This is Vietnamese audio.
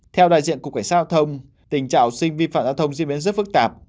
theo đại diện cục cảnh sát giao thông tình trạng học sinh vi phạm giao thông diễn biến rất phức tạp